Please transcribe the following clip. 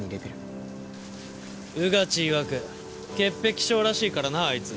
穿地いわく潔癖症らしいからなあいつ。